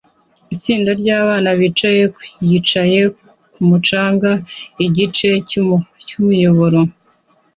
Itsinda ryabana bicaye kuri yicaye kumu canga igice cyumuyoboro